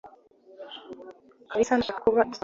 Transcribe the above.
Kalisa ntashaka kuba i Boston.